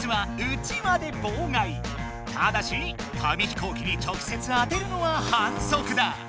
ただし紙飛行機に直せつ当てるのははんそくだ。